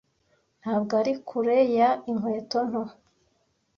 ntabwo ari kure ya inkweto nto